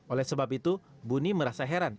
oleh sebab itu buni merasa heran